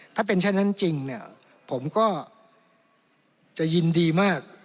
ถ้าเป็นฉะนั้นจริงผมก็จะยินดีมาก